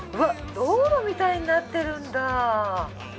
道路みたいになってるんだ。